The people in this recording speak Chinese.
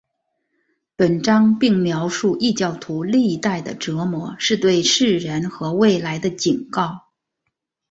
本章并描述异教徒历代的折磨是对世人和未来的警告。